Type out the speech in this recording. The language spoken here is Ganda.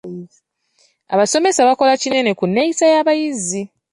Abasomesa bakola kinene ku nneyisa y'abayizi.